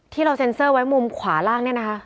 ที่เราเซ็นเซอร์ไว้มุมขวาล่างเนี่ยนะคะ